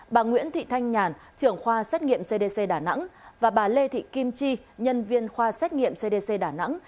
bà nguyễn thị thanh nhàn trưởng khoa xét nghiệm cdc đà nẵng và bà lê thị kim chi nhân viên khoa xét nghiệm cdc đà nẵng